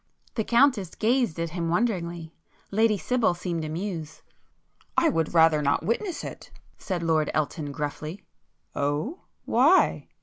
The Countess gazed at him wonderingly,—Lady Sibyl seemed amused. "I would rather not witness it,"—said Lord Elton gruffly. "Oh, why?"